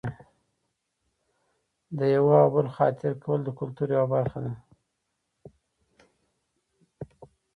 د یوه او بل خاطر کول د کلتور یوه برخه ده.